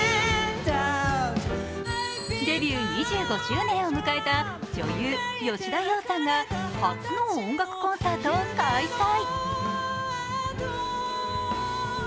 デビュー２５周年を迎えた女優、吉田羊さんが初の音楽コンサートを開催。